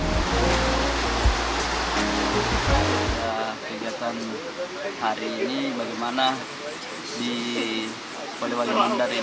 pada kegiatan hari ini bagaimana di polewali mandar ini